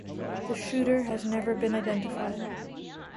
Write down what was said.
The shooter has never been identified.